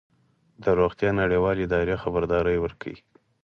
د روغتیا نړیوالې ادارې خبرداری ورکړی